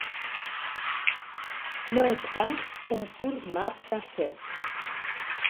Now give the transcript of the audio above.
No és pas un pur mar francès.